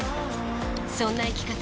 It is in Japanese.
そんな生き方